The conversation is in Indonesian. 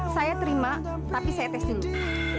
saya terima tapi saya tes dulu